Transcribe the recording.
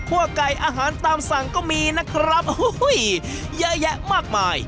ไก่อาหารตามสั่งก็มีนะครับเยอะแยะมากมาย